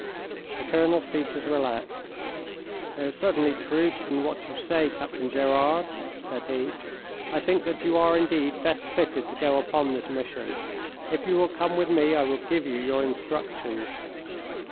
The colonel's features relaxed. "There is certainly truth in what you say, Captain Gerard," said he. "I think that you are indeed best fitted to go upon this mission. If you will come with me I will give you your instructions."